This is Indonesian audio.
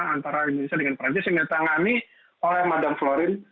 antara indonesia dengan prancis yang ditangani oleh mdm florine